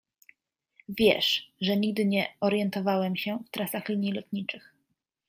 Wiesz, że nigdy nie orientowałem się w trasach linii lotniczych.